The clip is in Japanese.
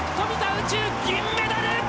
宇宙銀メダル！